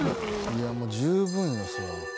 いやもう十分ですわ。